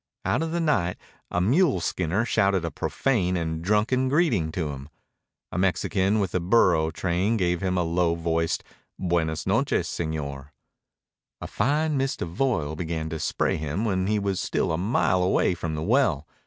Out of the night a mule skinner shouted a profane and drunken greeting to him. A Mexican with a burro train gave him a low voiced "Buenos noches, señor." A fine mist of oil began to spray him when he was still a mile away from the well.